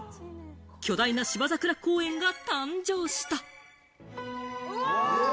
巨大な芝桜公園が誕生した。